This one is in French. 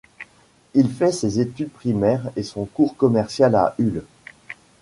Il fait ses études primaires et son cours commercial à Hull.